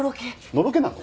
のろけなの？